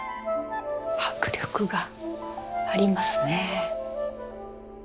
迫力がありますね。